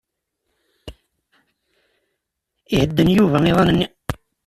Ihedden Yuba iḍan-nni.